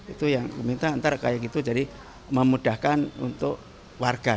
itu yang diminta ntar kayak gitu jadi memudahkan untuk warga